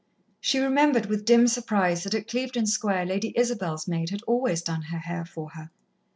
She remembered with dim surprise that at Clevedon Square Lady Isabel's maid had always done her hair for her.